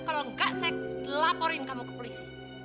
kalau enggak saya laporin kamu ke polisi